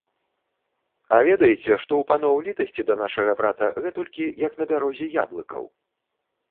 А ведаеце, што ў паноў літасці да нашага брата гэтулькі, як на бярозе яблыкаў.